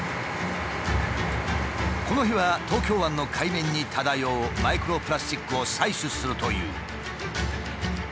この日は東京湾の海面に漂うマイクロプラスチックを採取するという。